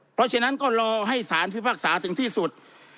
เพราะฉะนั้นก็รอให้สารพิพากษาถึงที่สุด